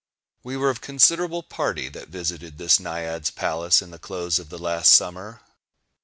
We were of a considerable party that visited this Naiad's palace in the close of the last summer.